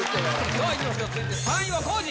さあいきましょう続いて３位は皇治！